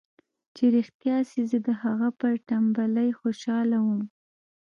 چې رښتيا سي زه د هغه پر ټمبلۍ خوشاله وم.